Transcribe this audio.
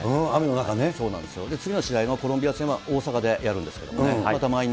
そうなんですよ、次の試合のコロンビア戦は大阪でやるんですけどね。